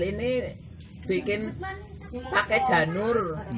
ini bikin pakai janur